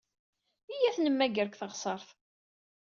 Iyya ad t-nemmager deg teɣsert.